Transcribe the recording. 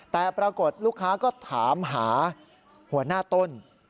แต่ปรากฏลูกค้าก็ถามหาหัวหน้าต้น